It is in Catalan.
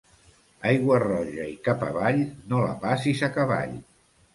Aigua roja i cap avall, no la passis a cavall.